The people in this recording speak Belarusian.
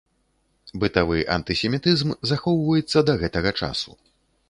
Бытавы антысемітызм захоўваецца да гэтага часу.